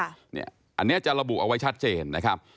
อันนี้จะระบุเอาไว้ชัดเจนนะครับ